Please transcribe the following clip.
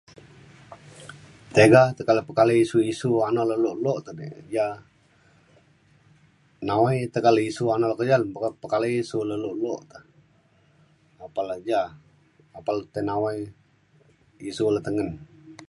tiga teka le pekalai isu isu anon le lok lok le dik ja nawai teka le isu anon le ke ja boka pekalai isu le lok lok apan le ja apan le tei nawai isu le tengen